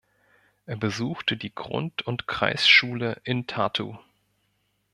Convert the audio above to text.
Er besuchte die Grund- und Kreisschule in Tartu.